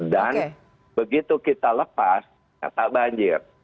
dan begitu kita lepas ternyata banjir